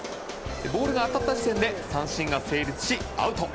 ボールが当たった時点で三振が成立し、アウト。